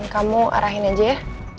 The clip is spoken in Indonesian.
kamu arahin aja ya